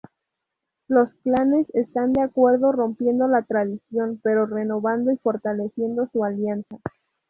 Los clanes están de acuerdo, rompiendo la tradición pero renovando y fortaleciendo su alianza.